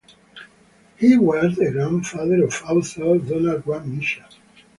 He was the grandfather of author Donald Grant Mitchell.